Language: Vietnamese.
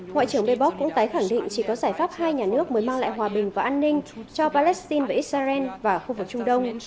ngoại trưởng bebock cũng tái khẳng định chỉ có giải pháp hai nhà nước mới mang lại hòa bình và an ninh cho palestine và israel và khu vực trung đông